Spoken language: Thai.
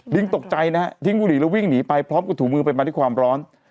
ตกใจนะฮะทิ้งบุหรี่แล้ววิ่งหนีไปพร้อมกับถูมือไปมาด้วยความร้อน